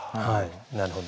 なるほど。